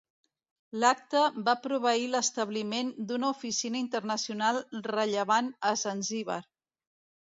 L'Acta va proveir l'establiment d'una Oficina Internacional rellevant a Zanzíbar.